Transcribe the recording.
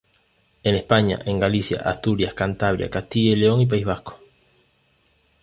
En España en Galicia, Asturias, Cantabria, Castilla y León y País Vasco.